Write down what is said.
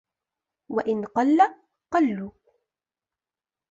وَإِنْ قَلَّ قَلُّوا